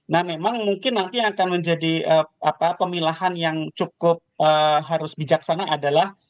nah memang mungkin nanti yang akan menjadi pemilahan yang cukup harus bijaksana adalah